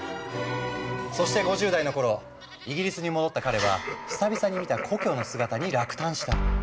そして５０代の頃イギリスに戻った彼は久々に見た故郷の姿に落胆した。